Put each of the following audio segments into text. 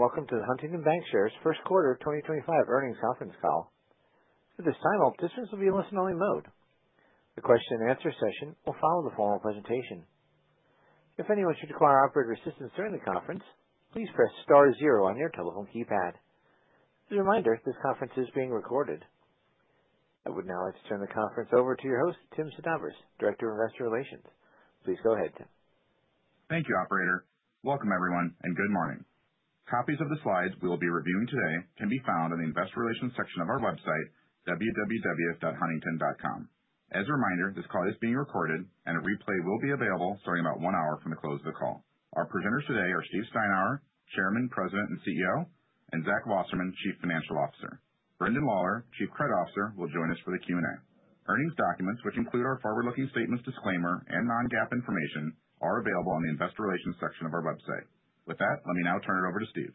Thank you and welcome to the Huntington Bancshares First Quarter 2025 Earnings Conference Call. At this time, all participants will be in listen-only mode. The question-and-answer session will follow the formal presentation. If anyone should require operator assistance during the conference, please press star zero on your telephone keypad. As a reminder, this conference is being recorded. I would now like to turn the conference over to your host, Tim Sedabres, Director of Investor Relations. Please go ahead, Tim. Thank you, Operator. Welcome, everyone, and good morning. Copies of the slides we will be reviewing today can be found in the Investor Relations section of our website, www.huntington.com. As a reminder, this call is being recorded, and a replay will be available starting about one hour from the close of the call. Our presenters today are Steve Steinour, Chairman, President, and CEO, and Zach Wasserman, Chief Financial Officer. Brendan Lawlor, Chief Credit Officer, will join us for the Q&A. Earnings documents, which include our forward-looking statements, disclaimer, and non-GAAP information, are available on the Investor Relations section of our website. With that, let me now turn it over to Steve.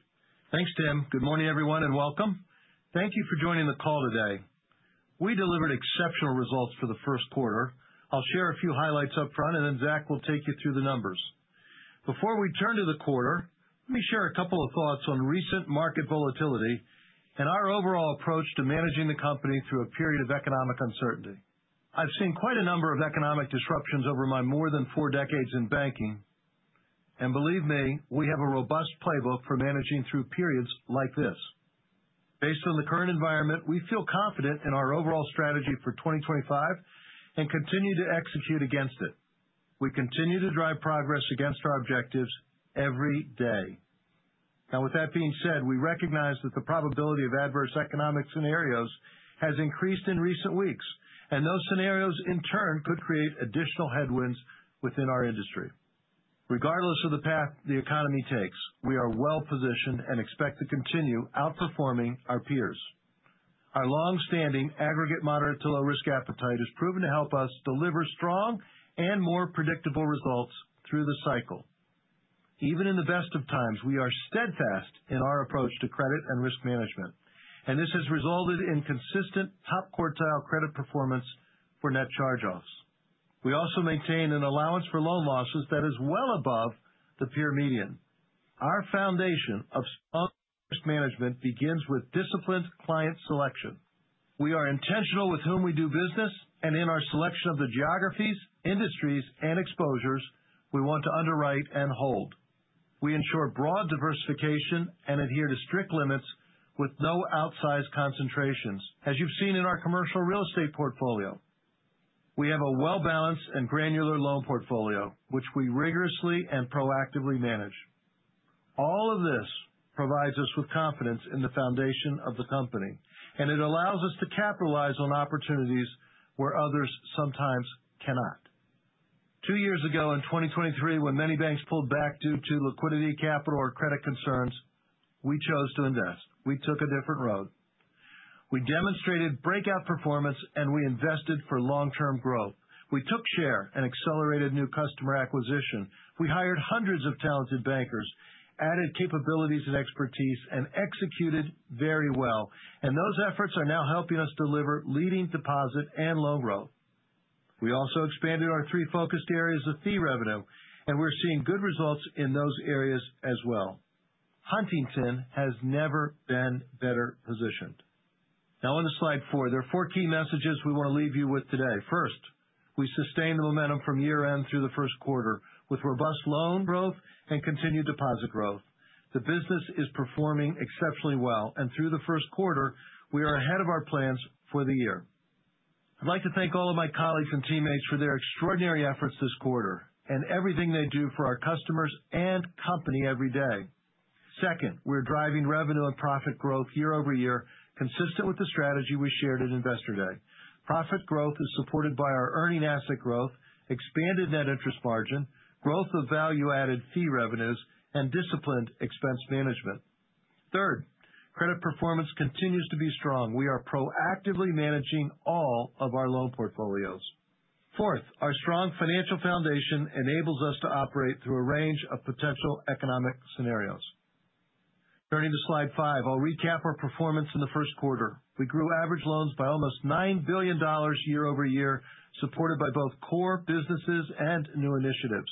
Thanks, Tim. Good morning, everyone, and welcome. Thank you for joining the call today. We delivered exceptional results for the first quarter. I'll share a few highlights up front, and then Zach will take you through the numbers. Before we turn to the quarter, let me share a couple of thoughts on recent market volatility and our overall approach to managing the company through a period of economic uncertainty. I've seen quite a number of economic disruptions over my more than four decades in banking, and believe me, we have a robust playbook for managing through periods like this. Based on the current environment, we feel confident in our overall strategy for 2025 and continue to execute against it. We continue to drive progress against our objectives every day. Now, with that being said, we recognize that the probability of adverse economic scenarios has increased in recent weeks, and those scenarios, in turn, could create additional headwinds within our industry. Regardless of the path the economy takes, we are well-positioned and expect to continue outperforming our peers. Our long-standing aggregate moderate-to-low-risk appetite has proven to help us deliver strong and more predictable results through the cycle. Even in the best of times, we are steadfast in our approach to credit and risk management, and this has resulted in consistent top quartile credit performance for net charge-offs. We also maintain an allowance for loan losses that is well above the peer median. Our foundation of strong risk management begins with disciplined client selection. We are intentional with whom we do business, and in our selection of the geographies, industries, and exposures, we want to underwrite and hold. We ensure broad diversification and adhere to strict limits with no outsized concentrations, as you've seen in our commercial real estate portfolio. We have a well-balanced and granular loan portfolio, which we rigorously and proactively manage. All of this provides us with confidence in the foundation of the company, and it allows us to capitalize on opportunities where others sometimes cannot. Two years ago, in 2023, when many banks pulled back due to liquidity, capital, or credit concerns, we chose to invest. We took a different road. We demonstrated breakout performance, and we invested for long-term growth. We took share and accelerated new customer acquisition. We hired hundreds of talented bankers, added capabilities and expertise, and executed very well. Those efforts are now helping us deliver leading deposit and loan growth. We also expanded our three focused areas of fee revenue, and we're seeing good results in those areas as well. Huntington has never been better positioned. Now, on to slide four. There are four key messages we want to leave you with today. First, we sustained the momentum from year-end through the first quarter with robust loan growth and continued deposit growth. The business is performing exceptionally well, and through the first quarter, we are ahead of our plans for the year. I'd like to thank all of my colleagues and teammates for their extraordinary efforts this quarter and everything they do for our customers and company every day. Second, we're driving revenue and profit growth year-over-year, consistent with the strategy we shared at Investor Day. Profit growth is supported by our earning asset growth, expanded net interest margin, growth of value-added fee revenues, and disciplined expense management. Third, credit performance continues to be strong. We are proactively managing all of our loan portfolios. Fourth, our strong financial foundation enables us to operate through a range of potential economic scenarios. Turning to slide five, I'll recap our performance in the first quarter. We grew average loans by almost $9 billion year-over-year, supported by both core businesses and new initiatives.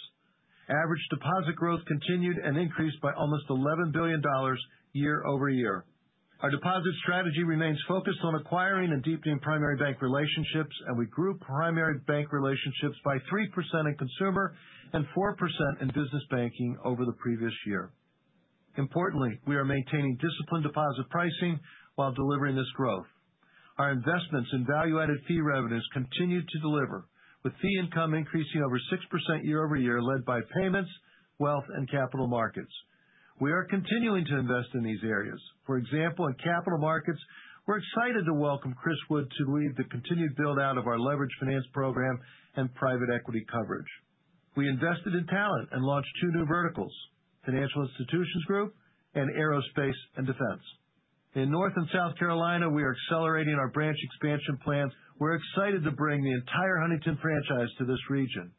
Average deposit growth continued and increased by almost $11 billion year-over-year. Our deposit strategy remains focused on acquiring and deepening primary bank relationships, and we grew primary bank relationships by 3% in consumer and 4% in business banking over the previous year. Importantly, we are maintaining disciplined deposit pricing while delivering this growth. Our investments in value-added fee revenues continue to deliver, with fee income increasing over 6% year-over-year, led by payments, wealth, and capital markets. We are continuing to invest in these areas. For example, in capital markets, we're excited to welcome Chris Wood to lead the continued build-out of our leveraged finance program and private equity coverage. We invested in talent and launched two new verticals: Financial Institutions Group and Aerospace and Defense. In North and South Carolina, we are accelerating our branch expansion plans. We're excited to bring the entire Huntington franchise to this region.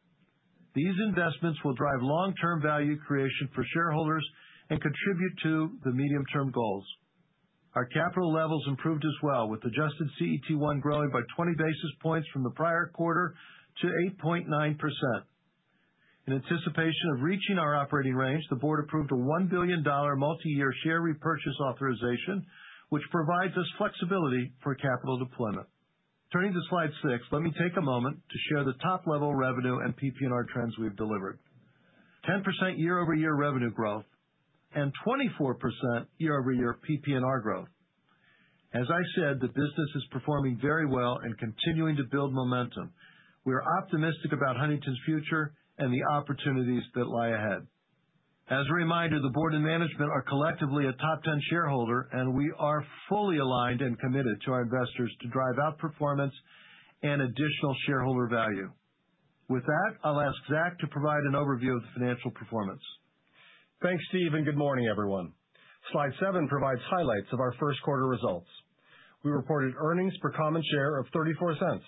These investments will drive long-term value creation for shareholders and contribute to the medium-term goals. Our capital levels improved as well, with adjusted CET1 growing by 20 basis points from the prior quarter to 8.9%. In anticipation of reaching our operating range, the board approved a $1 billion multi-year share repurchase authorization, which provides us flexibility for capital deployment. Turning to slide six, let me take a moment to share the top-level revenue and PPNR trends we've delivered: 10% year-over-year revenue growth and 24% year-over-year PPNR growth. As I said, the business is performing very well and continuing to build momentum. We're optimistic about Huntington's future and the opportunities that lie ahead. As a reminder, the board and management are collectively a top-10 shareholder, and we are fully aligned and committed to our investors to drive outperformance and additional shareholder value. With that, I'll ask Zach to provide an overview of the financial performance. Thanks, Steve, and good morning, everyone. Slide seven provides highlights of our first quarter results. We reported earnings per common share of $0.34.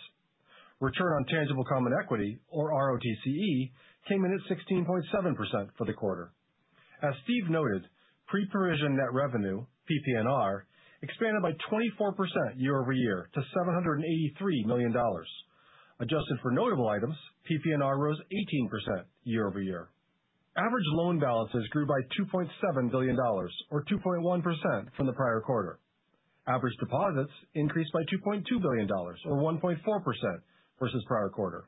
Return on tangible common equity, or ROTCE, came in at 16.7% for the quarter. As Steve noted, pre-provision net revenue, PPNR, expanded by 24% year-over-year to $783 million. Adjusted for notable items, PPNR rose 18% year-over-year. Average loan balances grew by $2.7 billion, or 2.1% from the prior quarter. Average deposits increased by $2.2 billion, or 1.4% versus prior quarter.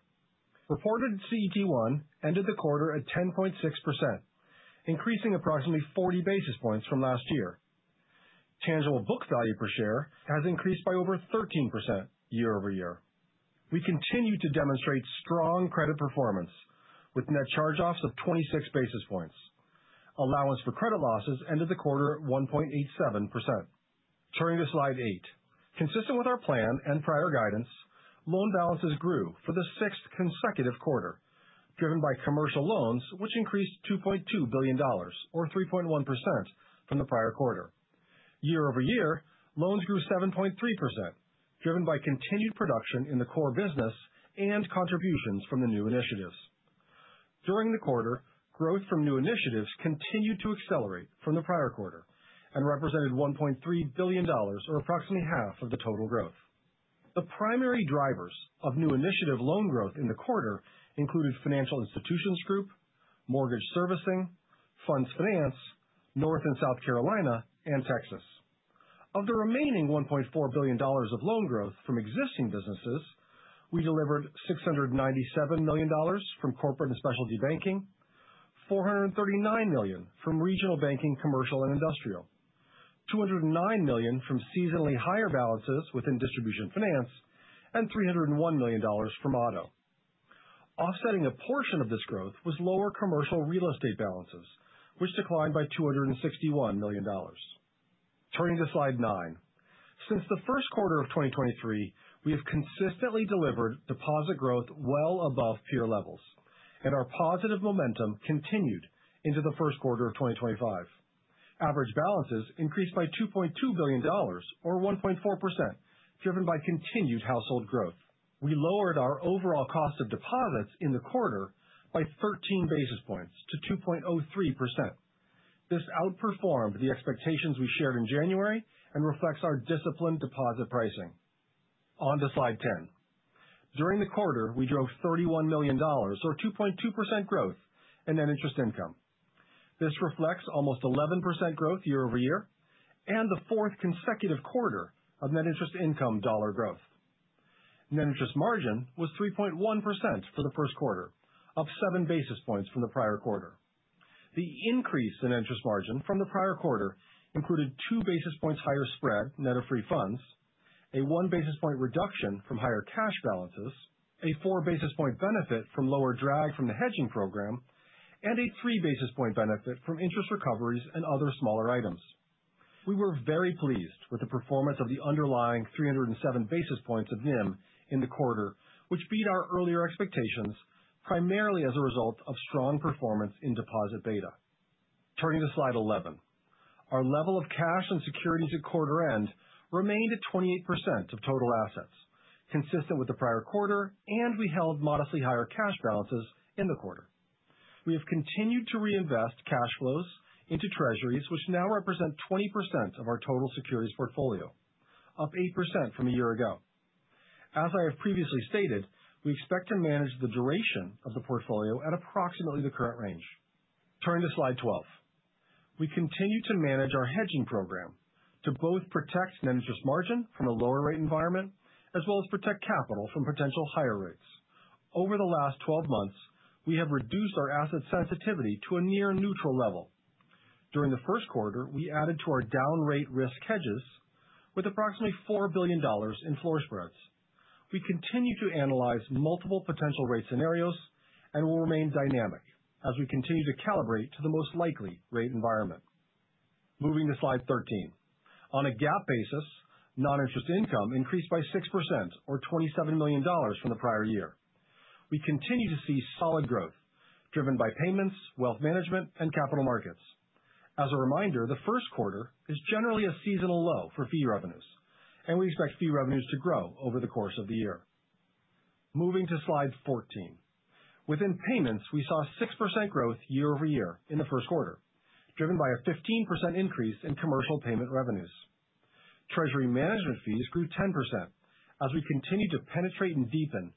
Reported CET1 ended the quarter at 10.6%, increasing approximately 40 basis points from last year. Tangible book value per share has increased by over 13% year-over-year. We continue to demonstrate strong credit performance, with net charge-offs of 26 basis points. Allowance for credit losses ended the quarter at 1.87%. Turning to slide eight. Consistent with our plan and prior guidance, loan balances grew for the sixth consecutive quarter, driven by commercial loans, which increased $2.2 billion, or 3.1% from the prior quarter. Year-over-year, loans grew 7.3%, driven by continued production in the core business and contributions from the new initiatives. During the quarter, growth from new initiatives continued to accelerate from the prior quarter and represented $1.3 billion, or approximately half of the total growth. The primary drivers of new initiative loan growth in the quarter included Financial Institutions Group, Mortgage Servicing, Funds Finance, North and South Carolina, and Texas. Of the remaining $1.4 billion of loan growth from existing businesses, we delivered $697 million from Corporate and Specialty Banking, $439 million from Regional Banking, commercial, and industrial, $209 million from seasonally higher balances within Distribution Finance, and $301 million from auto. Offsetting a portion of this growth was lower commercial real estate balances, which declined by $261 million. Turning to slide nine. Since the first quarter of 2023, we have consistently delivered deposit growth well above peer levels, and our positive momentum continued into the first quarter of 2025. Average balances increased by $2.2 billion, or 1.4%, driven by continued household growth. We lowered our overall cost of deposits in the quarter by 13 basis points to 2.03%. This outperformed the expectations we shared in January and reflects our disciplined deposit pricing. On to slide 10. During the quarter, we drove $31 million, or 2.2% growth in net interest income. This reflects almost 11% growth year-over-year and the fourth consecutive quarter of net interest income dollar growth. Net interest margin was 3.1% for the first quarter, up seven basis points from the prior quarter. The increase in interest margin from the prior quarter included two basis points higher spread net of free funds, a one basis point reduction from higher cash balances, a four basis point benefit from lower drag from the hedging program, and a three basis point benefit from interest recoveries and other smaller items. We were very pleased with the performance of the underlying 307 basis points of NIM in the quarter, which beat our earlier expectations primarily as a result of strong performance in deposit beta. Turning to slide 11. Our level of cash and securities at quarter's end remained at 28% of total assets, consistent with the prior quarter, and we held modestly higher cash balances in the quarter. We have continued to reinvest cash flows into treasuries, which now represent 20% of our total securities portfolio, up 8% from a year ago. As I have previously stated, we expect to manage the duration of the portfolio at approximately the current range. Turning to slide 12. We continue to manage our hedging program to both protect net interest margin from a lower rate environment as well as protect capital from potential higher rates. Over the last 12 months, we have reduced our asset sensitivity to a near-neutral level. During the first quarter, we added to our down-rate risk hedges with approximately $4 billion in floor spreads. We continue to analyze multiple potential rate scenarios and will remain dynamic as we continue to calibrate to the most likely rate environment. Moving to slide 13. On a GAAP basis, non-interest income increased by 6%, or $27 million from the prior year. We continue to see solid growth driven by payments, wealth management, and capital markets. As a reminder, the first quarter is generally a seasonal low for fee revenues, and we expect fee revenues to grow over the course of the year. Moving to slide 14. Within payments, we saw 6% growth year-over-year in the first quarter, driven by a 15% increase in commercial payment revenues. Treasury management fees grew 10% as we continued to penetrate and deepen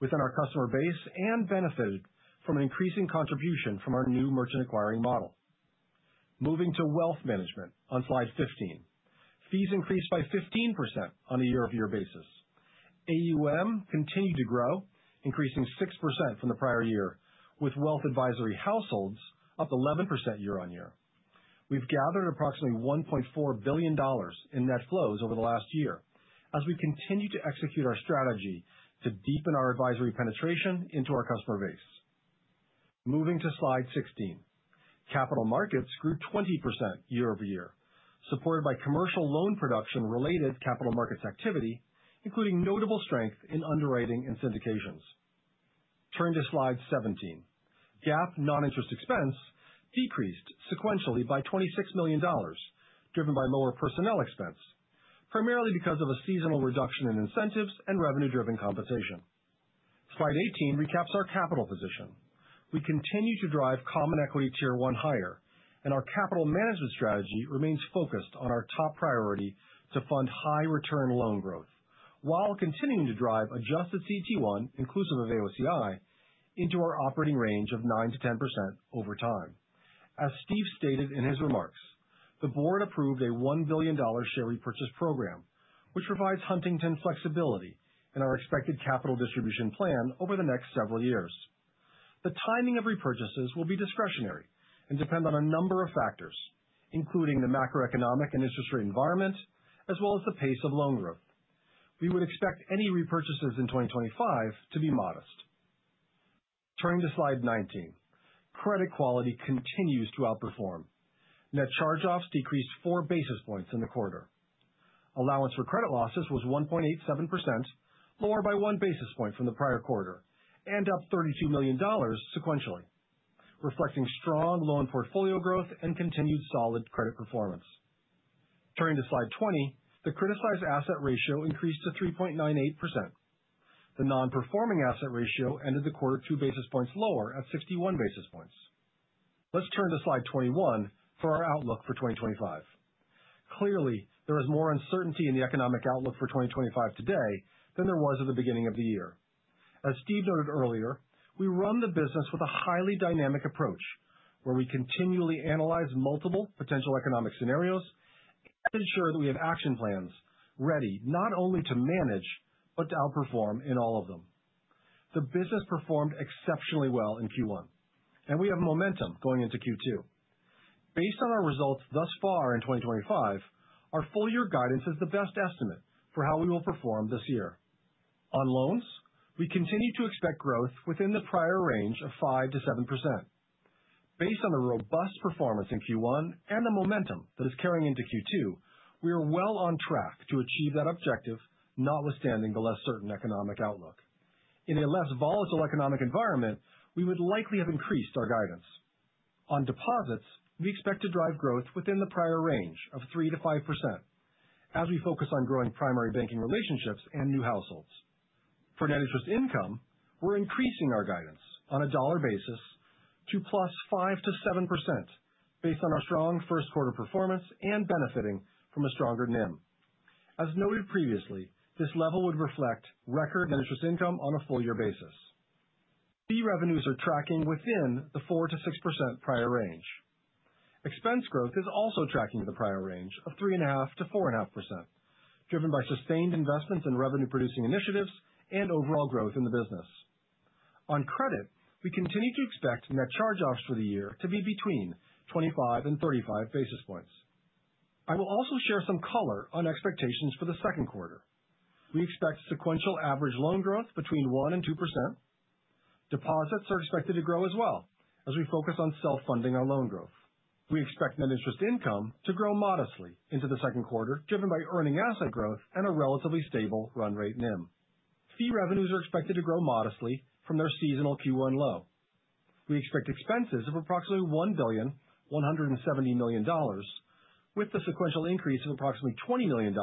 within our customer base and benefited from an increasing contribution from our new merchant acquiring model. Moving to wealth management on slide 15. Fees increased by 15% on a year-over-year basis. AUM continued to grow, increasing 6% from the prior year, with wealth advisory households up 11% year-on-year. We've gathered approximately $1.4 billion in net flows over the last year as we continue to execute our strategy to deepen our advisory penetration into our customer base. Moving to slide 16. Capital markets grew 20% year-over-year, supported by commercial loan production-related capital markets activity, including notable strength in underwriting and syndications. Turning to slide 17. GAAP non-interest expense decreased sequentially by $26 million, driven by lower personnel expense, primarily because of a seasonal reduction in incentives and revenue-driven compensation. Slide 18 recaps our capital position. We continue to drive Common Equity Tier 1 higher, and our capital management strategy remains focused on our top priority to fund high-return loan growth while continuing to drive adjusted CET1, inclusive of AOCI, into our operating range of 9%-10% over time. As Steve stated in his remarks, the board approved a $1 billion share repurchase program, which provides Huntington flexibility in our expected capital distribution plan over the next several years. The timing of repurchases will be discretionary and depend on a number of factors, including the macroeconomic and interest rate environment, as well as the pace of loan growth. We would expect any repurchases in 2025 to be modest. Turning to slide 19. Credit quality continues to outperform. Net charge-offs decreased four basis points in the quarter. Allowance for credit losses was 1.87%, lower by one basis point from the prior quarter, and up $32 million sequentially, reflecting strong loan portfolio growth and continued solid credit performance. Turning to slide 20, the criticized asset ratio increased to 3.98%. The non-performing asset ratio ended the quarter two basis points lower at 61 basis points. Let's turn to slide 21 for our outlook for 2025. Clearly, there is more uncertainty in the economic outlook for 2025 today than there was at the beginning of the year. As Steve noted earlier, we run the business with a highly dynamic approach where we continually analyze multiple potential economic scenarios and ensure that we have action plans ready not only to manage but to outperform in all of them. The business performed exceptionally well in Q1, and we have momentum going into Q2. Based on our results thus far in 2025, our full-year guidance is the best estimate for how we will perform this year. On loans, we continue to expect growth within the prior range of 5%-7%. Based on the robust performance in Q1 and the momentum that is carrying into Q2, we are well on track to achieve that objective, notwithstanding the less certain economic outlook. In a less volatile economic environment, we would likely have increased our guidance. On deposits, we expect to drive growth within the prior range of 3%-5% as we focus on growing primary banking relationships and new households. For net interest income, we're increasing our guidance on a dollar basis to plus 5%-7% based on our strong first quarter performance and benefiting from a stronger NIM. As noted previously, this level would reflect record net interest income on a full-year basis. Fee revenues are tracking within the 4%-6% prior range. Expense growth is also tracking the prior range of 3.5%-4.5%, driven by sustained investments in revenue-producing initiatives and overall growth in the business. On credit, we continue to expect net charge-offs for the year to be between 25 and 35 basis points. I will also share some color on expectations for the second quarter. We expect sequential average loan growth between 1% and 2%. Deposits are expected to grow as well as we focus on self-funding our loan growth. We expect net interest income to grow modestly into the second quarter, driven by earning asset growth and a relatively stable run rate NIM. Fee revenues are expected to grow modestly from their seasonal Q1 low. We expect expenses of approximately $1,170,000,000 million with the sequential increase of approximately $20 million,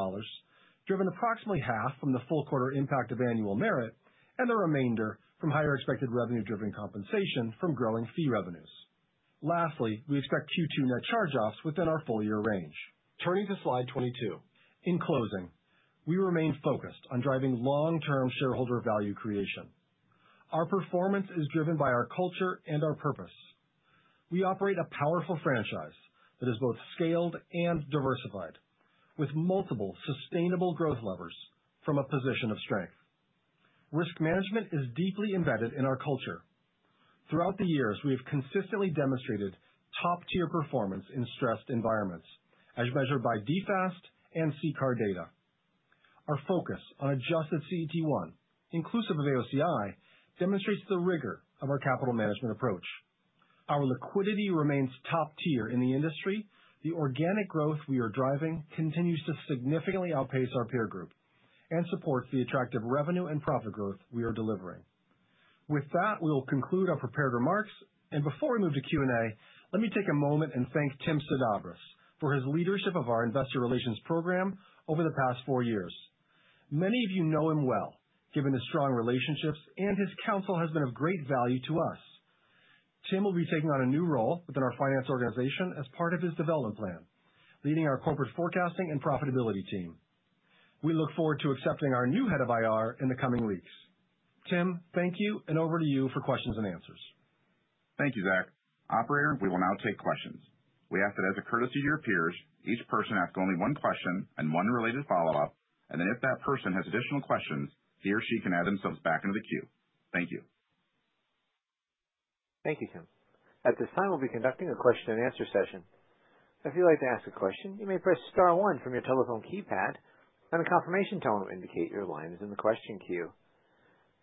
driven approximately half from the full quarter impact of annual merit and the remainder from higher expected revenue-driven compensation from growing fee revenues. Lastly, we expect Q2 net charge-offs within our full-year range. Turning to slide 22. In closing, we remain focused on driving long-term shareholder value creation. Our performance is driven by our culture and our purpose. We operate a powerful franchise that is both scaled and diversified, with multiple sustainable growth levers from a position of strength. Risk management is deeply embedded in our culture. Throughout the years, we have consistently demonstrated top-tier performance in stressed environments, as measured by DFAST and CCAR data. Our focus on adjusted CET1, inclusive of AOCI, demonstrates the rigor of our capital management approach. Our liquidity remains top-tier in the industry. The organic growth we are driving continues to significantly outpace our peer group and supports the attractive revenue and profit growth we are delivering. With that, we will conclude our prepared remarks. Before we move to Q&A, let me take a moment and thank Tim Sedabres for his leadership of our investor relations program over the past four years. Many of you know him well, given his strong relationships, and his counsel has been of great value to us. Tim will be taking on a new role within our finance organization as part of his development plan, leading our corporate forecasting and profitability team. We look forward to accepting our new head of IR in the coming weeks. Tim, thank you, and over to you for questions and answers. Thank you, Zach. Operator, we will now take questions. We ask that as a courtesy to your peers, each person ask only one question and one related follow-up, and then if that person has additional questions, he or she can add themselves back into the queue. Thank you. Thank you, Tim. At this time, we'll be conducting a question-and-answer session. If you'd like to ask a question, you may press star one from your telephone keypad, and a confirmation tone will indicate your line is in the question queue.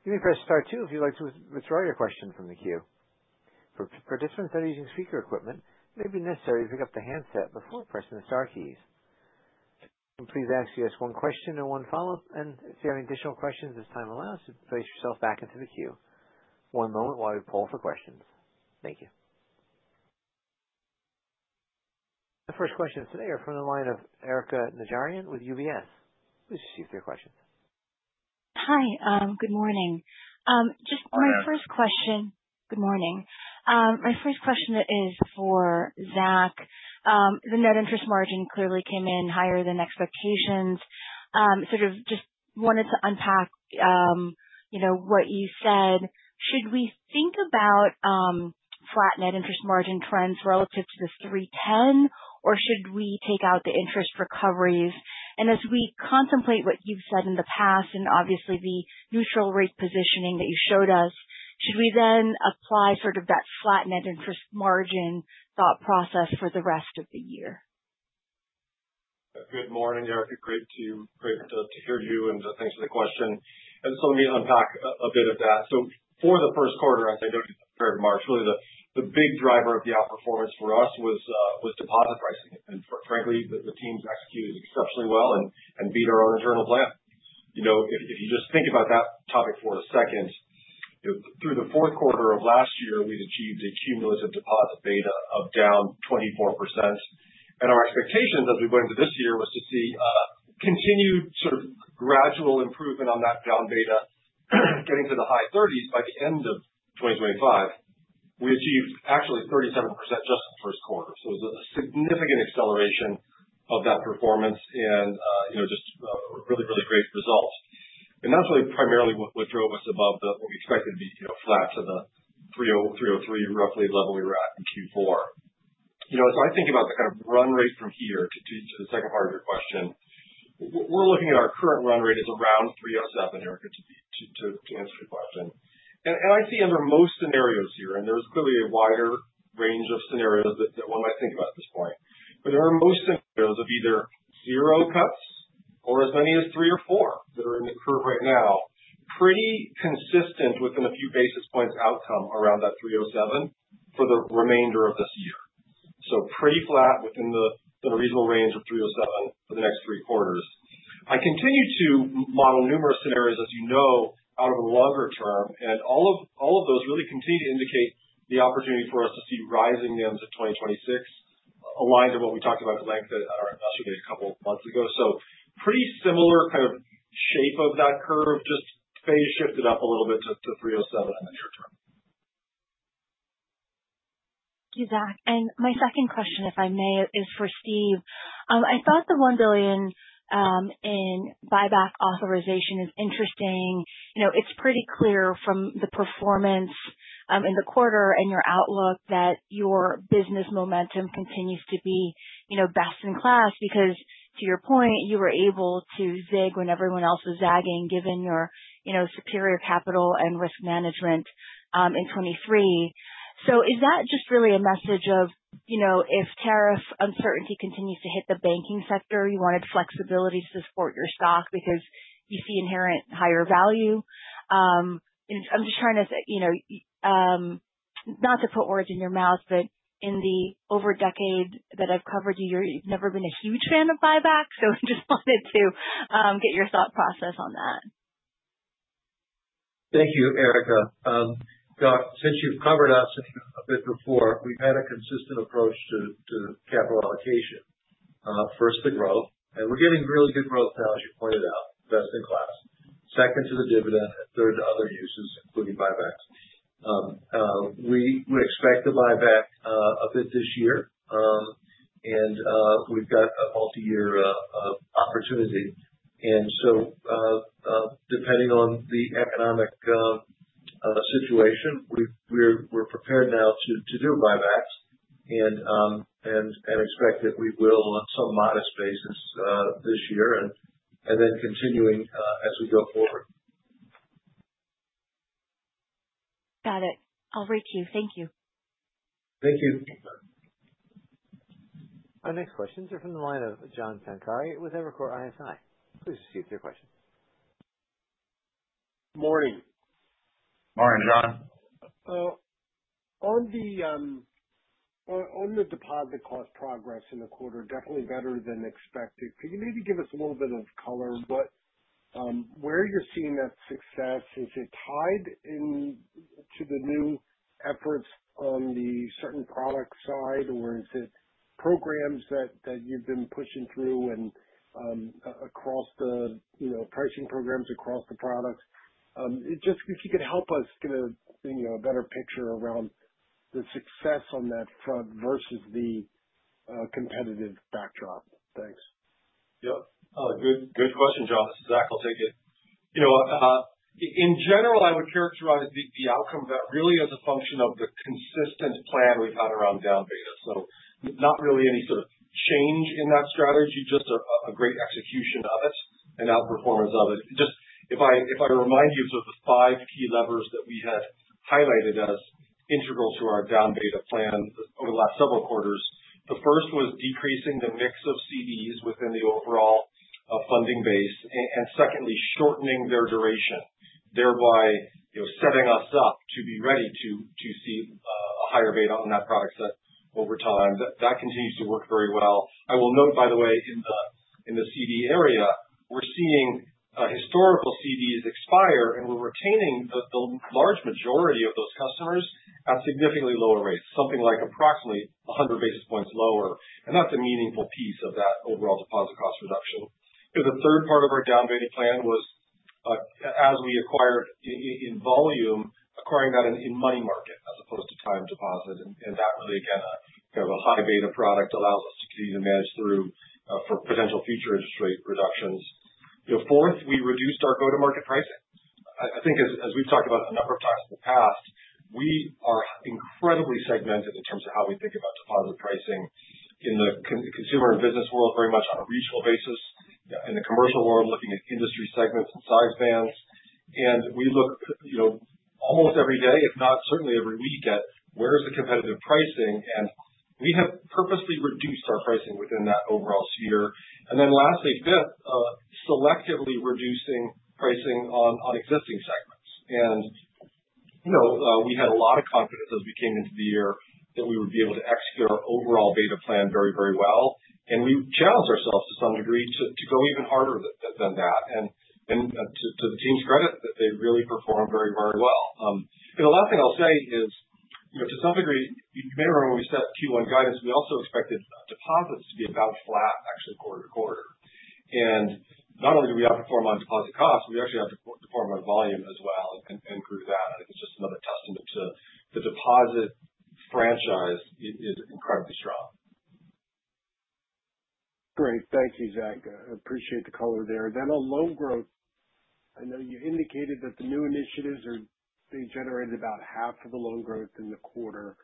You may press star two if you'd like to withdraw your question from the queue. For participants that are using speaker equipment, it may be necessary to pick up the handset before pressing the star keys. Please ask just one question and one follow-up, and if you have any additional questions, this time allows you to place yourself back into the queue. One moment while we pull for questions. Thank you. The first questions today are from the line of Erika Najarian with UBS. Please proceed with your questions. Hi. Good morning. Just my first question. Good morning. My first question is for Zach. The net interest margin clearly came in higher than expectations. Sort of just wanted to unpack what you said. Should we think about flat net interest margin trends relative to the 310, or should we take out the interest recoveries? As we contemplate what you've said in the past and obviously the neutral rate positioning that you showed us, should we then apply sort of that flat net interest margin thought process for the rest of the year? Good morning, Erika. Great to hear you, and thanks for the question. Let me unpack a bit of that. For the first quarter, as I noted in prepared remarks, really the big driver of the outperformance for us was deposit pricing. Frankly, the teams executed exceptionally well and beat our own internal plan. If you just think about that topic for a second, through the fourth quarter of last year, we'd achieved a cumulative deposit beta of down 24%. Our expectations as we went into this year was to see continued sort of gradual improvement on that down beta, getting to the high 30s by the end of 2025. We achieved actually 37% just in the first quarter. It was a significant acceleration of that performance and just a really, really great result. That is really primarily what drove us above what we expected to be flat to the 303, roughly level we were at in Q4. I think about the kind of run rate from here to the second part of your question. We are looking at our current run rate as around 307, Erika, to answer your question. I see under most scenarios here, and there's clearly a wider range of scenarios that one might think about at this point, but there are most scenarios of either zero cuts or as many as three or four that are in the curve right now, pretty consistent within a few basis points outcome around that 307 for the remainder of this year. Pretty flat within the reasonable range of 307 for the next three quarters. I continue to model numerous scenarios, as you know, out of a longer term, and all of those really continue to indicate the opportunity for us to see rising NIMs in 2026 aligned to what we talked about at length at our investor meeting a couple of months ago. Pretty similar kind of shape of that curve, just phase shifted up a little bit to 307 in the near term. Thank you, Zach. My second question, if I may, is for Steve. I thought the $1 billion in buyback authorization is interesting. It is pretty clear from the performance in the quarter and your outlook that your business momentum continues to be best in class because, to your point, you were able to zig when everyone else was zagging, given your superior capital and risk management in 2023. Is that just really a message of, you know, if tariff uncertainty continues to hit the banking sector, you wanted flexibility to support your stock because you see inherent higher value? I am just trying not to put words in your mouth, but in the over a decade that I have covered you, you have never been a huge fan of buyback, so I just wanted to get your thought process on that. Thank you, Erika. Since you've covered us a bit before, we've had a consistent approach to capital allocation. First, the growth. And we're getting really good growth now, as you pointed out, best in class. Second, to the dividend, and third, to other uses, including buybacks. We expect to buyback a bit this year, and we've got a multi-year opportunity. Depending on the economic situation, we're prepared now to do buybacks and expect that we will on some modest basis this year and then continuing as we go forward. Got it. I'll read to you. Thank you. Thank you. Our next questions are from the line of John Pancari with Evercore ISI. Please proceed with your question. Good morning. Morning, John. On the deposit cost progress in the quarter, definitely better than expected. Could you maybe give us a little bit of color? Where you're seeing that success, is it tied to the new efforts on the certain product side, or is it programs that you've been pushing through across the pricing programs, across the products? Just if you could help us get a better picture around the success on that front versus the competitive backdrop. Thanks. Yep. Good question, John. This is Zach. I'll take it. In general, I would characterize the outcome of that really as a function of the consistent plan we've had around down beta. So not really any sort of change in that strategy, just a great execution of it and outperformance of it. Just if I remind you of sort of the five key levers that we had highlighted as integral to our down beta plan over the last several quarters, the first was decreasing the mix of CDs within the overall funding base and secondly, shortening their duration, thereby setting us up to be ready to see a higher beta on that product set over time. That continues to work very well. I will note, by the way, in the CD area, we're seeing historical CDs expire, and we're retaining the large majority of those customers at significantly lower rates, something like approximately 100 basis points lower. That's a meaningful piece of that overall deposit cost reduction. The third part of our down beta plan was, as we acquired in volume, acquiring that in money market as opposed to time deposit. That really, again, a high beta product allows us to continue to manage through for potential future interest rate reductions. Fourth, we reduced our go-to-market pricing. I think, as we've talked about a number of times in the past, we are incredibly segmented in terms of how we think about deposit pricing in the consumer and business world, very much on a regional basis. In the commercial world, looking at industry segments and size bands. We look almost every day, if not certainly every week, at where's the competitive pricing. We have purposely reduced our pricing within that overall sphere. Lastly, fifth, selectively reducing pricing on existing segments. We had a lot of confidence as we came into the year that we would be able to execute our overall beta plan very, very well. We challenged ourselves to some degree to go even harder than that. To the team's credit, they really performed very, very well. The last thing I'll say is, to some degree, you may remember when we set Q1 guidance, we also expected deposits to be about flat, actually, quarter to quarter. Not only did we outperform on deposit costs, we actually outperform on volume as well and grew that. I think it's just another testament to the deposit franchise is incredibly strong. Great. Thank you, Zach. I appreciate the color there. On loan growth, I know you indicated that the new initiatives, they generated about half of the loan growth in the quarter.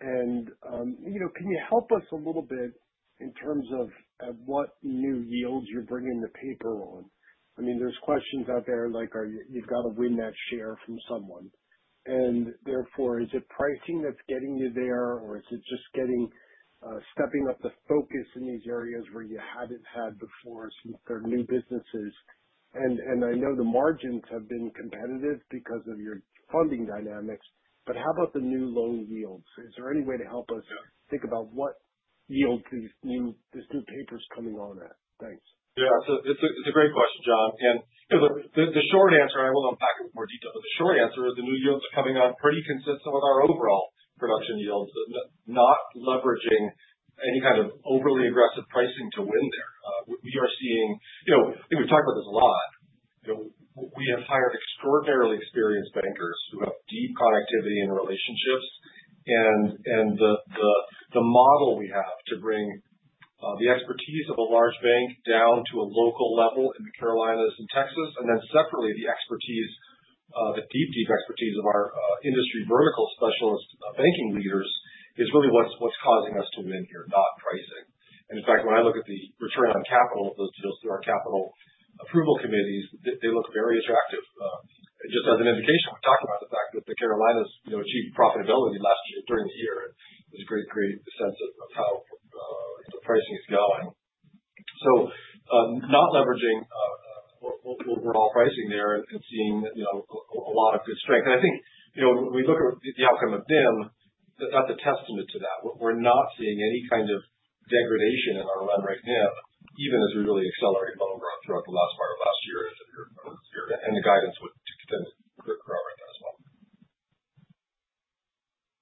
Can you help us a little bit in terms of what new yields you're bringing the paper on? I mean, there's questions out there like you've got to win that share from someone. Therefore, is it pricing that's getting you there, or is it just stepping up the focus in these areas where you haven't had before since there are new businesses? I know the margins have been competitive because of your funding dynamics, but how about the new loan yields? Is there any way to help us think about what yields this new paper is coming on at? Thanks. Yeah. It's a great question, John. The short answer, and I will unpack it with more detail, but the short answer is the new yields are coming on pretty consistent with our overall production yields, not leveraging any kind of overly aggressive pricing to win there. We are seeing, and we've talked about this a lot, we have hired extraordinarily experienced bankers who have deep connectivity and relationships. The model we have to bring the expertise of a large bank down to a local level in the Carolinas and Texas, and then separately, the deep, deep expertise of our industry vertical specialist banking leaders is really what's causing us to win here, not pricing. In fact, when I look at the return on capital of those deals through our capital approval committees, they look very attractive. Just as an indication, we're talking about the fact that the Carolinas achieved profitability during the year, and there's a great sense of how the pricing is going. Not leveraging what we're all pricing there and seeing a lot of good strength. I think when we look at the outcome of NIM, that's a testament to that. We're not seeing any kind of degradation in our run rate NIM, even as we really accelerate loan growth throughout the last part of last year, and the guidance would extend it forever as well.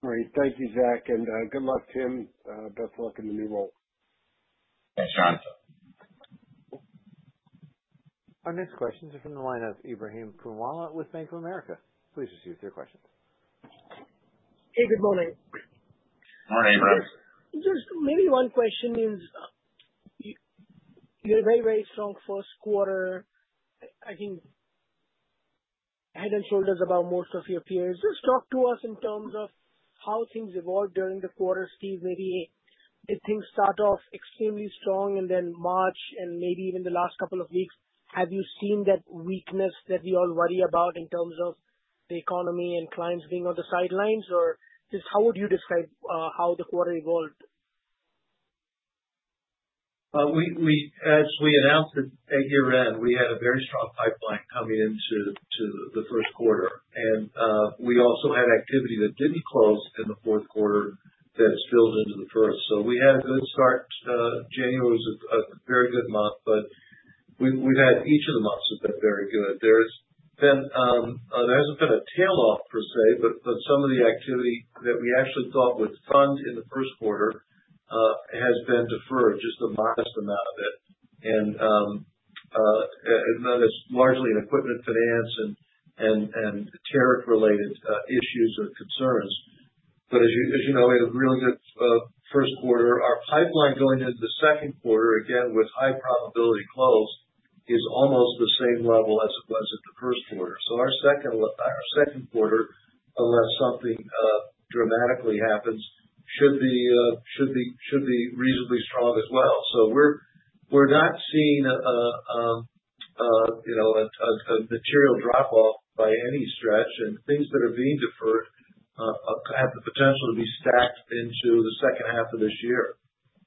Great. Thank you, Zach. And good luck, Tim. Best of luck in the new role. Thanks, John. Our next questions are from the line of Ebrahim Poonawala with Bank of America. Please proceed with your questions. Hey, good morning. Morning, Ebrahim. Just maybe one question is you had a very, very strong first quarter. I think head and shoulders above most of your peers. Just talk to us in terms of how things evolved during the quarter. Steve, maybe things start off extremely strong in March and maybe even the last couple of weeks. Have you seen that weakness that we all worry about in terms of the economy and clients being on the sidelines? Or just how would you describe how the quarter evolved? As we announced at year-end, we had a very strong pipeline coming into the first quarter. We also had activity that did not close in the fourth quarter that spilled into the first. We had a good start. January was a very good month, but each of the months have been very good. There has not been a tail off per se, but some of the activity that we actually thought would fund in the first quarter has been deferred, just a modest amount of it. That is largely in equipment finance and tariff-related issues or concerns. As you know, we had a really good first quarter. Our pipeline going into the second quarter, again, with high probability close, is almost the same level as it was at the first quarter. Our second quarter, unless something dramatically happens, should be reasonably strong as well. We are not seeing a material drop-off by any stretch. Things that are being deferred have the potential to be stacked into the second half of this year.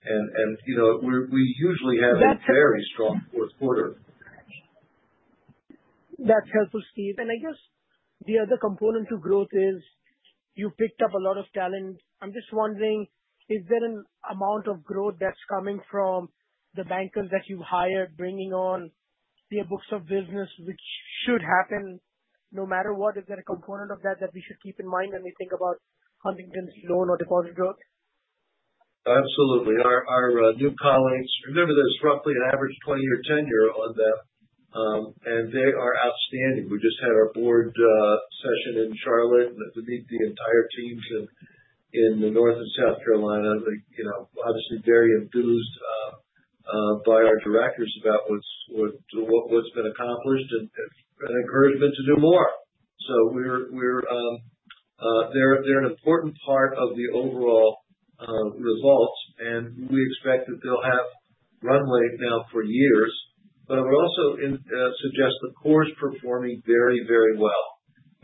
We usually have a very strong fourth quarter. That is helpful, Steve. I guess the other component to growth is you picked up a lot of talent. I am just wondering, is there an amount of growth that is coming from the bankers that you have hired bringing on their books of business, which should happen no matter what? Is there a component of that that we should keep in mind when we think about Huntington's loan or deposit growth? Absolutely. Our new colleagues, remember, there's roughly an average 20-year tenure on them, and they are outstanding. We just had our board session in Charlotte to meet the entire teams in the North and South Carolina. Obviously, very enthused by our directors about what's been accomplished and an encouragement to do more. They are an important part of the overall results, and we expect that they'll have runway now for years. I would also suggest the core is performing very, very well.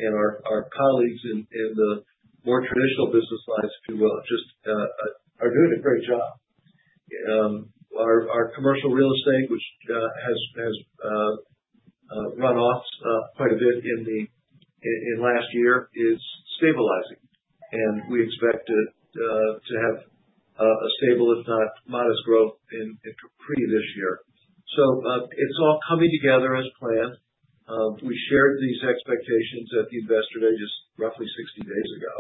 Our colleagues in the more traditional business lines, if you will, just are doing a great job. Our commercial real estate, which has run off quite a bit in last year, is stabilizing. We expect to have a stable, if not modest, growth in pre this year. It is all coming together as planned. We shared these expectations at the investor day just roughly 60 days ago,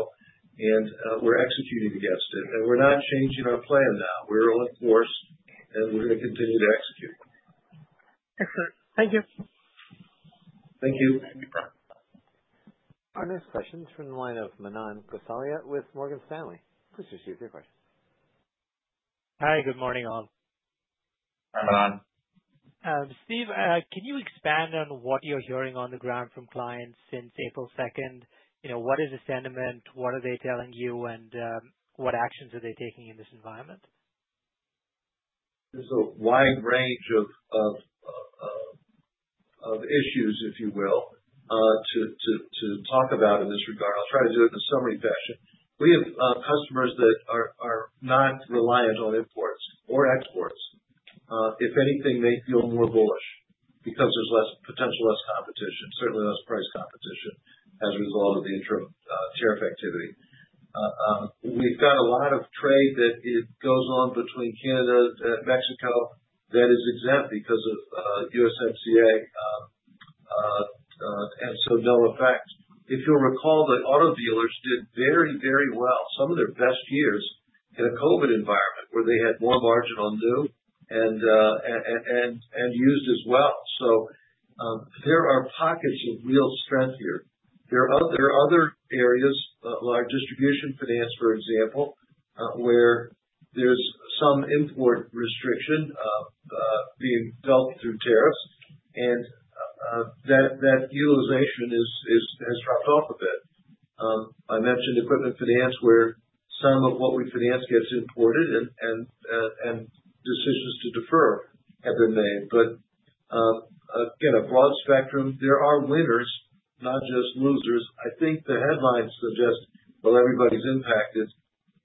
and we're executing against it. We're not changing our plan now. We're on course, and we're going to continue to execute. Excellent. Thank you. Thank you. Our next question is from the line of Manan Gosalia with Morgan Stanley. Please proceed with your question. Hi. Good morning, all. Hi, Manan. Steve, can you expand on what you're hearing on the ground from clients since April 2nd? What is the sentiment? What are they telling you, and what actions are they taking in this environment? There's a wide range of issues, if you will, to talk about in this regard. I'll try to do it in a summary fashion. We have customers that are not reliant on imports or exports. If anything, they feel more bullish because there's potential less competition, certainly less price competition as a result of the interim tariff activity. We've got a lot of trade that goes on between Canada and Mexico that is exempt because of USMCA, and so no effect. If you'll recall, the auto dealers did very, very well, some of their best years in a COVID environment where they had more margin on new and used as well. There are pockets of real strength here. There are other areas, large distribution finance, for example, where there's some import restriction being dealt through tariffs, and that utilization has dropped off a bit. I mentioned equipment finance where some of what we finance gets imported, and decisions to defer have been made. Again, a broad spectrum, there are winners, not just losers. I think the headlines suggest, well, everybody's impacted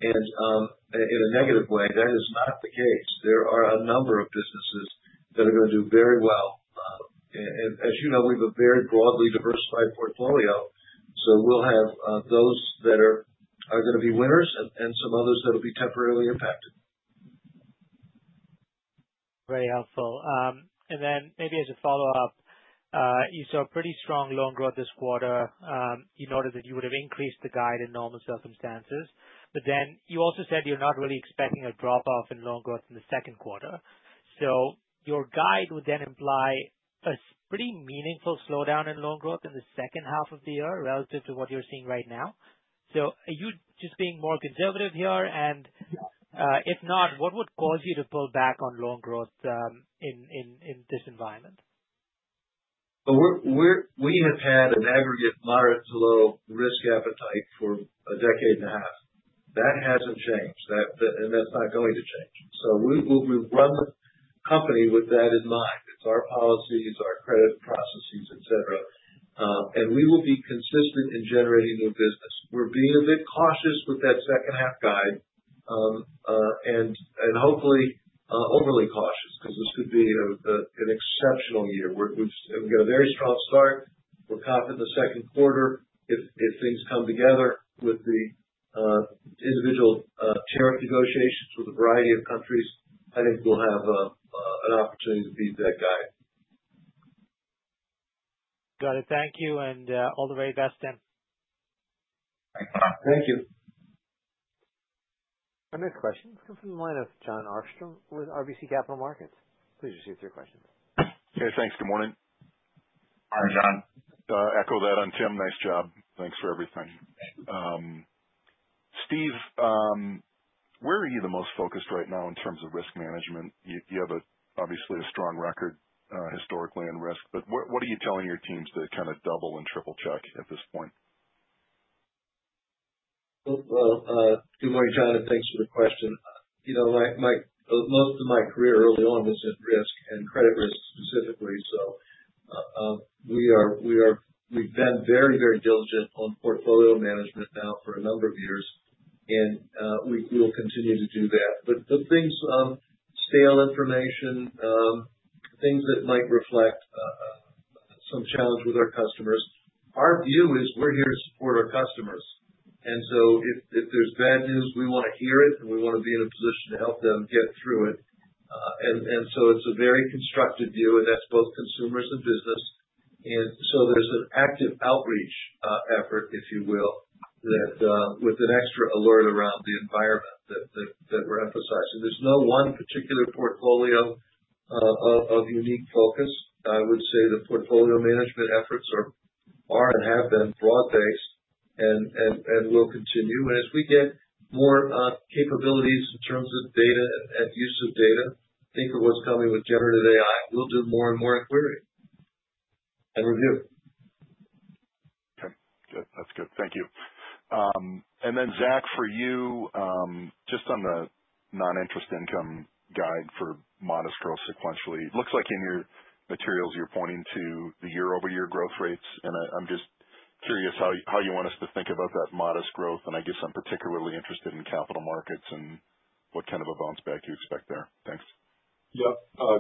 in a negative way. That is not the case. There are a number of businesses that are going to do very well. As you know, we have a very broadly diversified portfolio, so we'll have those that are going to be winners and some others that will be temporarily impacted. Very helpful. And then maybe as a follow-up, you saw pretty strong loan growth this quarter. You noted that you would have increased the guide in normal circumstances. You also said you're not really expecting a drop-off in loan growth in the second quarter. Your guide would then imply a pretty meaningful slowdown in loan growth in the second half of the year relative to what you're seeing right now. Are you just being more conservative here? If not, what would cause you to pull back on loan growth in this environment? We have had an aggregate moderate to low risk appetite for a decade and a half. That has not changed, and that is not going to change. We have run the company with that in mind. It is our policies, our credit processes, etc. We will be consistent in generating new business. We are being a bit cautious with that second-half guide and hopefully overly cautious because this could be an exceptional year. We have got a very strong start. We are confident the second quarter, if things come together with the individual tariff negotiations with a variety of countries, I think we will have an opportunity to beat that guide. Got it. Thank you. All the very best, Tim. Thank you. Our next question is from the line of Jon Arfstrom with RBC Capital Markets. Please proceed with your questions. Hey, thanks. Good morning. Hi, Jon. Echo that on Tim. Nice job. Thanks for everything. Steve, where are you the most focused right now in terms of risk management? You have obviously a strong record historically in risk, but what are you telling your teams to kind of double and triple-check at this point? Good morning, Jon. Thanks for the question. Most of my career early on was in risk and credit risk specifically. We have been very, very diligent on portfolio management now for a number of years, and we will continue to do that. Things, stale information, things that might reflect some challenge with our customers, our view is we are here to support our customers. If there is bad news, we want to hear it, and we want to be in a position to help them get through it. It is a very constructive view, and that is both consumers and business. There is an active outreach effort, if you will, with an extra alert around the environment that we are emphasizing. There is no one particular portfolio of unique focus. I would say the portfolio management efforts are and have been broad-based and will continue. As we get more capabilities in terms of data and use of data, think of what is coming with generative AI, we will do more and more inquiry and review. Okay. Good. That is good. Thank you. Then, Zach, for you, just on the non-interest income guide for modest growth sequentially, it looks like in your materials, you are pointing to the year-over-year growth rates. I am just curious how you want us to think about that modest growth. I guess I'm particularly interested in capital markets and what kind of a bounce back you expect there. Thanks. Yep.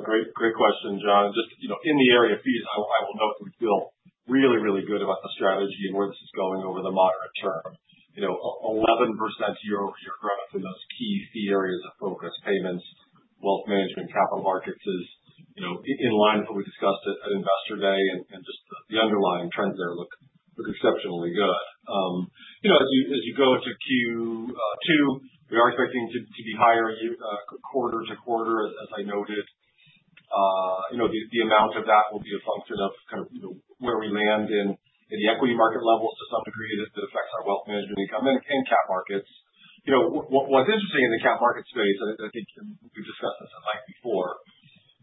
Great question, Jon. Just in the area of fees, I will note we feel really, really good about the strategy and where this is going over the moderate term. 11% year-over-year growth in those key fee areas of focus, payments, wealth management, capital markets is in line with what we discussed at investor day, and just the underlying trends there look exceptionally good. As you go into Q2, we are expecting to be higher quarter to quarter, as I noted. The amount of that will be a function of kind of where we land in the equity market levels to some degree that affects our wealth management income and cap markets. What's interesting in the cap market space, and I think we've discussed this at length before,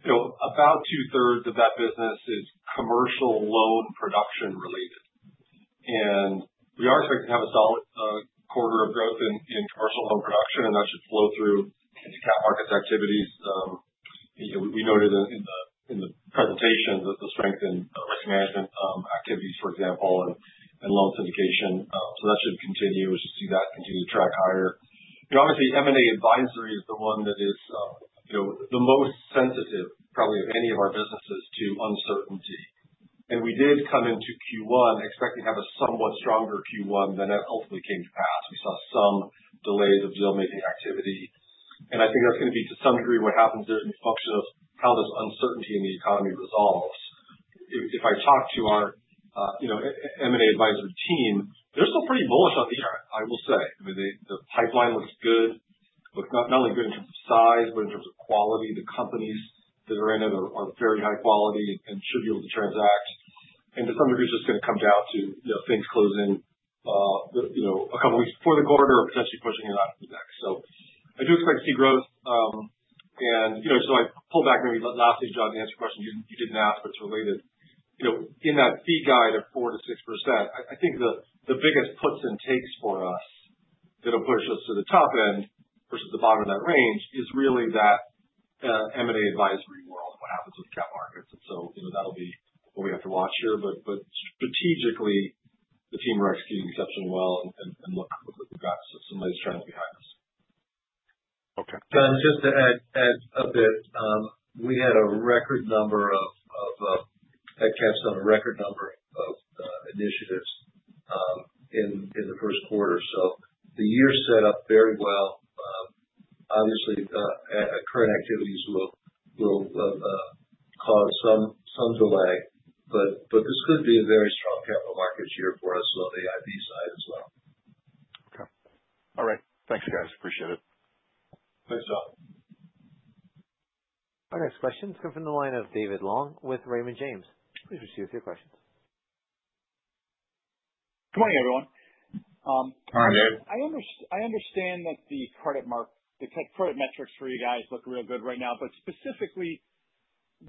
about two-thirds of that business is commercial loan production related. We are expected to have a solid quarter of growth in commercial loan production, and that should flow through into cap markets activities. We noted in the presentation the strength in risk management activities, for example, and loan syndication. That should continue. We should see that continue to track higher. Obviously, M&A advisory is the one that is the most sensitive, probably of any of our businesses, to uncertainty. We did come into Q1 expecting to have a somewhat stronger Q1 than it ultimately came to pass. We saw some delays of deal-making activity. I think that's going to be, to some degree, what happens in function of how this uncertainty in the economy resolves. If I talk to our M&A advisory team, they're still pretty bullish on the year, I will say. I mean, the pipeline looks good, not only good in terms of size, but in terms of quality. The companies that are in it are very high quality and should be able to transact. To some degree, it's just going to come down to things closing a couple of weeks before the quarter or potentially pushing it out to the next. I do expect to see growth. I pull back maybe lastly, John, to answer your question. You did not ask, but it's related. In that fee guide of 4%-6%, I think the biggest puts and takes for us that will push us to the top end versus the bottom of that range is really that M&A advisory world, what happens with the cap markets. That will be what we have to watch here. Strategically, the team are executing exceptionally well and look like we have some nice trends behind us. Okay. Just to add a bit, we had a record number of headcounts on a record number of initiatives in the first quarter. The year set up very well. Obviously, current activities will cause some delay, but this could be a very strong capital markets year for us on the IB side as well. Okay. All right. Thanks, guys. Appreciate it. Thanks, Jon. Our next question is coming from the line of David Long with Raymond James. Please proceed with your questions. Good morning, everyone. Hi, Dave. I understand that the credit metrics for you guys look real good right now, but specifically,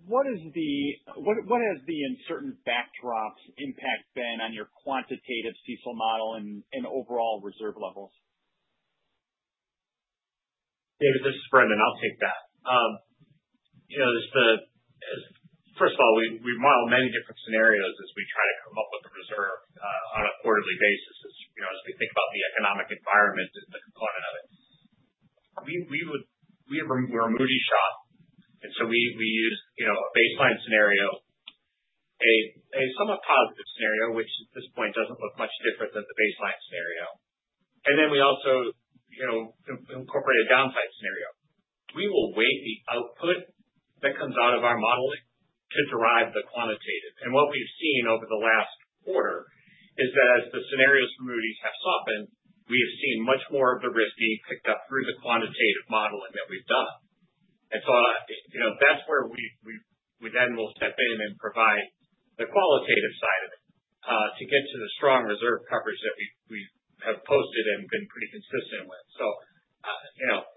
what has the uncertain backdrop's impact been on your quantitative CECL model and overall reserve levels? David, this is Brendan. I'll take that. First of all, we model many different scenarios as we try to come up with a reserve on a quarterly basis as we think about the economic environment and the component of it. We're a Moody's shop, and so we use a baseline scenario, a somewhat positive scenario, which at this point does not look much different than the baseline scenario. We also incorporate a downside scenario. We will weight the output that comes out of our modeling to derive the quantitative. What we've seen over the last quarter is that as the scenarios for Moody's have softened, we have seen much more of the risk being picked up through the quantitative modeling that we've done. That is where we then will step in and provide the qualitative side of it to get to the strong reserve coverage that we have posted and been pretty consistent with.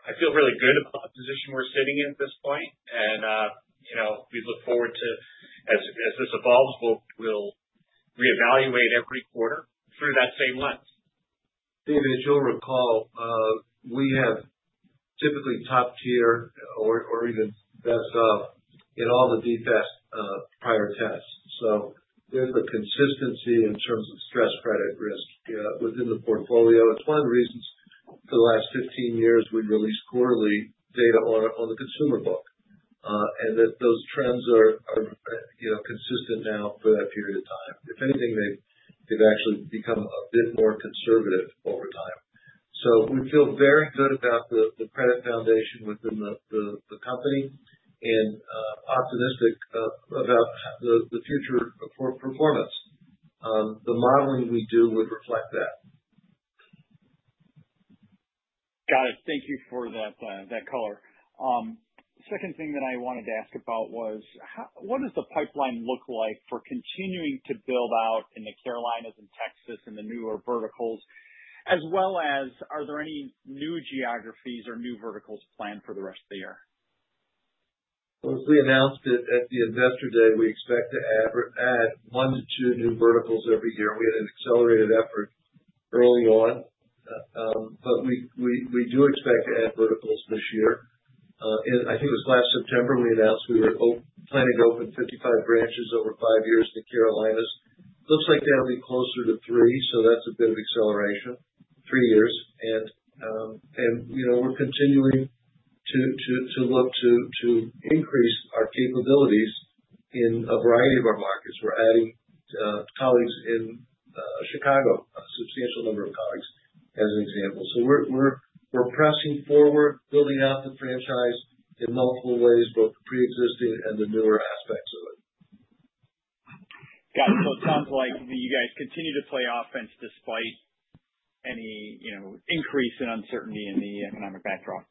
I feel really good about the position we're sitting in at this point. We look forward to, as this evolves, we'll reevaluate every quarter through that same lens. David, as you'll recall, we have typically top tier or even best of in all the DFAST prior tests. There is a consistency in terms of stress credit risk within the portfolio. It is one of the reasons for the last 15 years we released quarterly data on the consumer book and those trends are consistent now for that period of time. If anything, they have actually become a bit more conservative over time. We feel very good about the credit foundation within the company and optimistic about the future performance. The modeling we do would reflect that. Got it. Thank you for that color. The second thing that I wanted to ask about was, what does the pipeline look like for continuing to build out in the Carolinas and Texas and the newer verticals, as well as are there any new geographies or new verticals planned for the rest of the year? As we announced at the investor day, we expect to add one to two new verticals every year. We had an accelerated effort early on, but we do expect to add verticals this year. I think it was last September we announced we were planning to open 55 branches over five years in the Carolinas. Looks like that will be closer to three, so that is a bit of acceleration, three years. We are continuing to look to increase our capabilities in a variety of our markets. We are adding colleagues in Chicago, a substantial number of colleagues, as an example. We are pressing forward, building out the franchise in multiple ways, both the pre-existing and the newer aspects of it. Got it. It sounds like you guys continue to play offense despite any increase in uncertainty in the economic backdrop.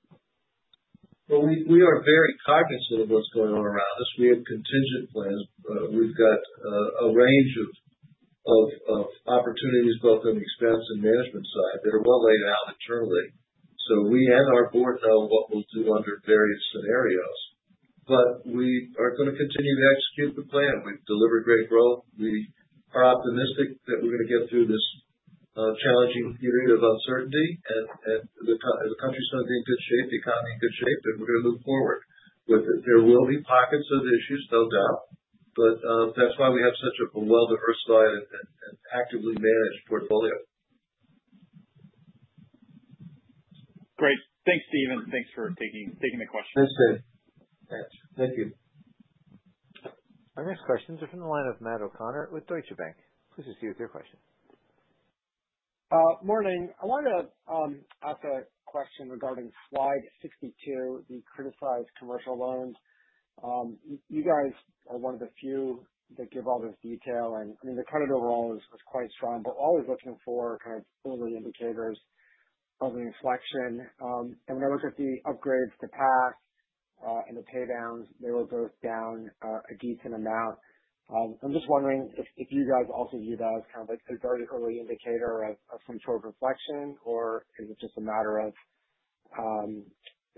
We are very cognizant of what is going on around us. We have contingent plans. We have a range of opportunities both on the expense and management side that are well laid out internally. We and our board know what we will do under various scenarios, but we are going to continue to execute the plan. We have delivered great growth. We are optimistic that we're going to get through this challenging period of uncertainty, and the country's going to be in good shape, the economy in good shape, and we're going to move forward with it. There will be pockets of issues, no doubt, but that's why we have such a well-diversified and actively managed portfolio. Great. Thanks, Steve. And thanks for taking the question. Thanks, Dave. Thanks. Thank you. Our next questions are from the line of Matt O'Connor with Deutsche Bank. Please proceed with your question. Morning. I wanted to ask a question regarding Slide 62, the criticized commercial loans. You guys are one of the few that give all this detail. I mean, the credit overall was quite strong, but always looking for kind of early indicators of an inflection. When I looked at the upgrades to pass and the paydowns, they were both down a decent amount. I'm just wondering if you guys also view that as kind of a very early indicator of some sort of inflection, or is it just a matter of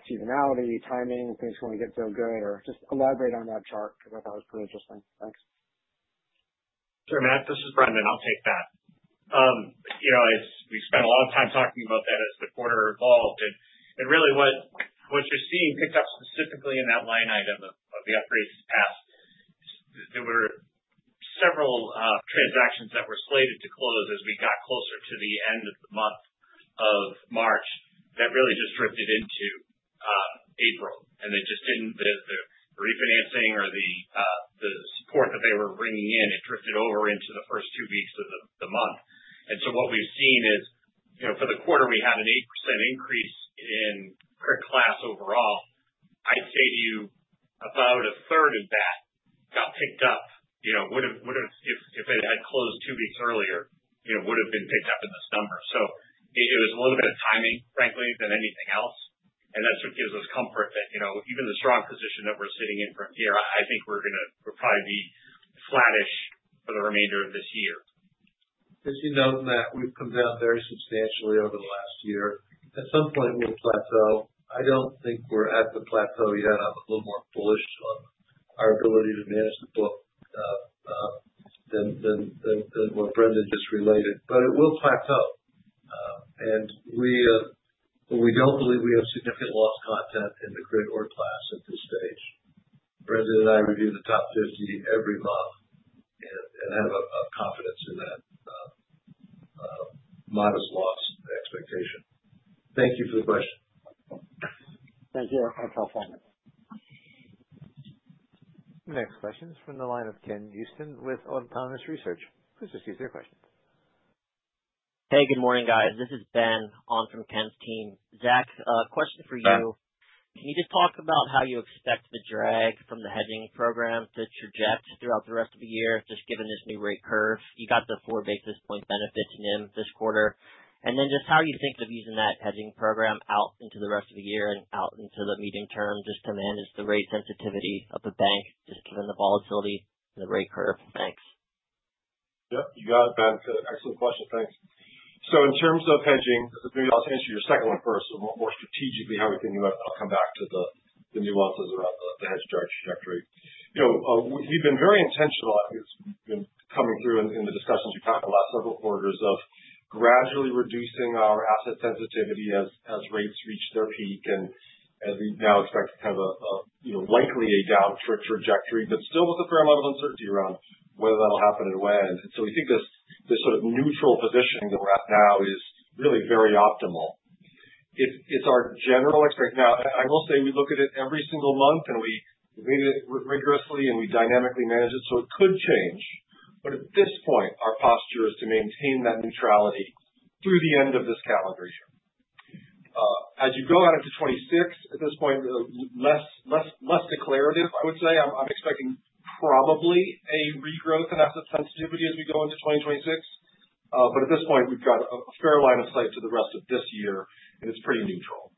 seasonality, timing, things going to get so good, or just elaborate on that chart because I thought it was pretty interesting. Thanks. Sure, Matt. This is Brendan. I'll take that. We spent a lot of time talking about that as the quarter evolved. Really, what you're seeing picked up specifically in that line item of the upgrades to pass. There were several transactions that were slated to close as we got closer to the end of the month of March that really just drifted into April. The refinancing or the support that they were bringing in drifted over into the first two weeks of the month. What we have seen is for the quarter, we had an 8% increase in Crit/Class overall. I would say to you about a third of that got picked up; if it had closed two weeks earlier, it would have been picked up in this number. It was a little bit of timing, frankly, more than anything else. That is what gives us comfort that even with the strong position that we are sitting in here, I think we are going to probably be flattish for the remainder of this year. As you note, Matt, we have come down very substantially over the last year. At some point, we will plateau. I do not think we are at the plateau yet. I'm a little more bullish on our ability to manage the book than what Brendan just related. But it will plateau. And we don't believe we have significant loss content in the Crit or Class at this stage. Brendan and I review the top 50 every month and have a confidence in that modest loss expectation. Thank you for the question. Thank you. That's helpful. Next question is from the line of Ken Usdin with Autonomous Research. Please proceed with your questions. Hey, good morning, guys. This is Ben on from Ken's team. Zach, question for you. Can you just talk about how you expect the drag from the hedging program to traject throughout the rest of the year, just given this new rate curve? You got the four basis point benefits in this quarter. Just how you think of using that hedging program out into the rest of the year and out into the medium term just to manage the rate sensitivity of the bank, just given the volatility and the rate curve. Thanks. Yep. You got it, Ben. Excellent question. Thanks. In terms of hedging, maybe I'll answer your second one first. More strategically, how we think about it. I'll come back to the nuances around the hedge trajectory. We've been very intentional, I think, as we've been coming through in the discussions we've had the last several quarters, of gradually reducing our asset sensitivity as rates reach their peak. As we now expect kind of likely a downward trajectory, but still with a fair amount of uncertainty around whether that'll happen and when. We think this sort of neutral positioning that we're at now is really very optimal. It's our general expectation. Now, I will say we look at it every single month, and we read it rigorously, and we dynamically manage it. It could change. At this point, our posture is to maintain that neutrality through the end of this calendar year. As you go out into 2026, at this point, less declarative, I would say. I'm expecting probably a regrowth in asset sensitivity as we go into 2026. At this point, we've got a fair line of sight to the rest of this year, and it's pretty neutral.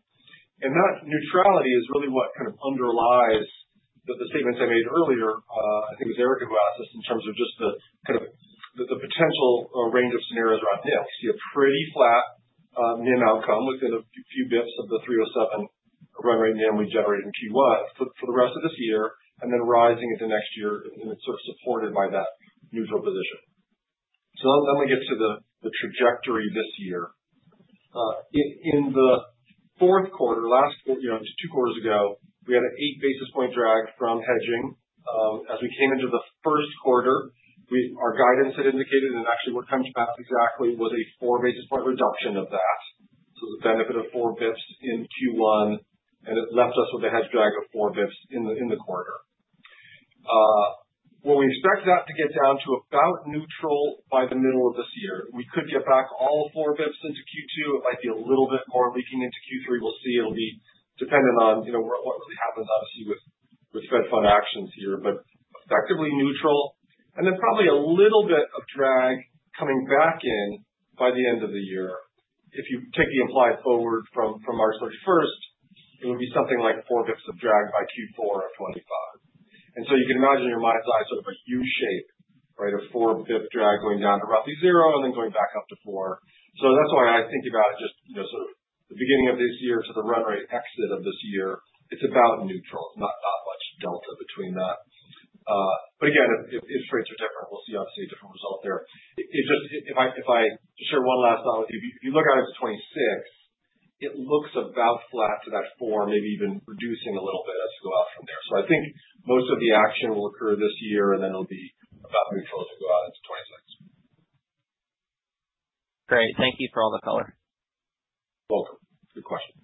That neutrality is really what kind of underlies the statements I made earlier. I think it was Erika who asked this in terms of just the potential range of scenarios around NIM. We see a pretty flat NIM outcome within a few basis points of the 307 run rate NIM we generated in Q1 for the rest of this year, and then rising into next year, and it is sort of supported by that neutral position. Then we get to the trajectory this year. In the fourth quarter, two quarters ago, we had an eight-basis point drag from hedging. As we came into the first quarter, our guidance had indicated, and actually what comes back exactly was a four-basis point reduction of that. The benefit of four basis points in Q1, and it left us with a hedge drag of four basis points in the quarter. We expect that to get down to about neutral by the middle of this year. We could get back all four basis points into Q2. It might be a little bit more leaking into Q3. We will see. It'll be dependent on what really happens, obviously, with Fed Funds actions here, but effectively neutral. Then probably a little bit of drag coming back in by the end of the year. If you take the implied forward from March 31, it would be something like four basis points of drag by Q4 of 2025. You can imagine in your mind's eye sort of a U-shape, right, of four-basis-point drag going down to roughly zero and then going back up to four. That is why I think about it just sort of the beginning of this year to the run rate exit of this year. It is about neutral. There is not much delta between that. Again, if rates are different, we will see, obviously, a different result there. If I share one last thought with you, if you look out into 2026, it looks about flat to that four, maybe even reducing a little bit as we go out from there. I think most of the action will occur this year, and then it'll be about neutral as we go out into 2026. Great. Thank you for all the color. Welcome. Good question.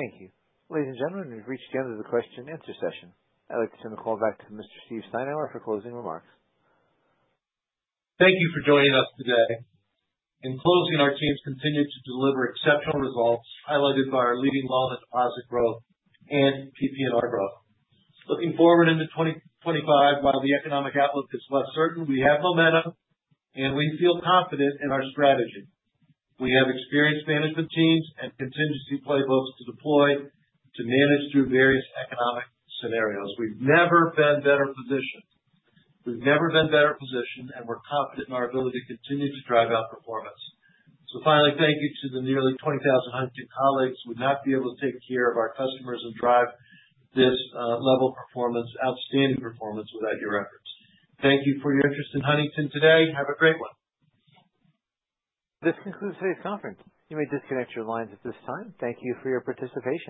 Thank you. Ladies and gentlemen, we've reached the end of the question-and-answer session. I'd like to turn the call back to Mr. Steve Steinour for closing remarks. Thank you for joining us today. In closing, our teams continue to deliver exceptional results highlighted by our leading loan and deposit growth and PPNR growth. Looking forward into 2025, while the economic outlook is less certain, we have momentum, and we feel confident in our strategy. We have experienced management teams and contingency playbooks to deploy to manage through various economic scenarios. We've never been better positioned. We've never been better positioned, and we're confident in our ability to continue to drive out performance. Finally, thank you to the nearly 20,000 Huntington colleagues who would not be able to take care of our customers and drive this level of performance, outstanding performance, without your efforts. Thank you for your interest in Huntington today. Have a great one. This concludes today's conference. You may disconnect your lines at this time. Thank you for your participation.